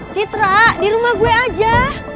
citra di rumah gue aja